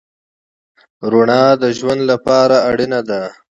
رڼا د ژوند لپاره اړینه ده.